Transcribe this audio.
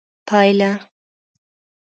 پایله: